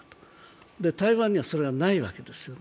台湾にはそれがないわけですよ。